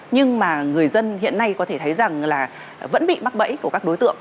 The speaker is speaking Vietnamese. nhưng mà người dân hiện nay có thể thấy rằng là vẫn bị mắc bẫy của các đối tượng